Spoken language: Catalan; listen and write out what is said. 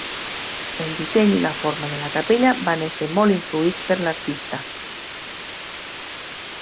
El disseny i la forma de la capella van ésser molt influïts per l'artista.